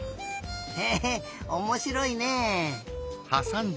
へえおもしろいね。